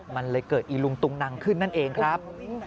มันเลยเกิดอีลุงตุงนังขึ้นนั่นเองครับ